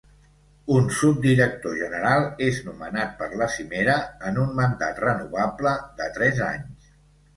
Un subdirector general és nomenat per la cimera en un mandat renovable de tres anys.